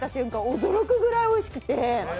驚くぐらいおいしくて。